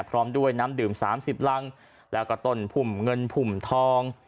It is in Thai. พร้อมด้วยน้ำดื่ม๓๐รังแล้วก็ต้นพุ่มเงินพุ่มทอง